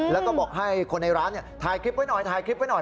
แล้วก็บอกให้คนในร้านถ่ายคลิปไว้หน่อยถ่ายคลิปไว้หน่อย